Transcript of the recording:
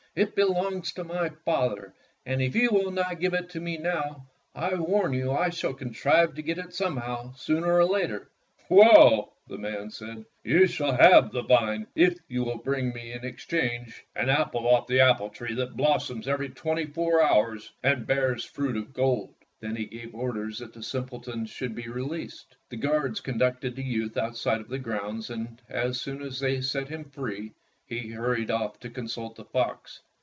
"It belongs to my father, and if you will not give it to me now, I warn you that I shall contrive to get it somehow, sooner or later." "Well," the man said, "you shall have the vine, if you will bring me in exchange an 41 Fairy Tale Foxes apple off the apple tree that blossoms every twenty four hours and bears fruit of gold.'' Then he gave orders that the simpleton should be released. The guards conducted the youth outside of the groimds, and as soon as they set him free, he hurried off to consult the fox.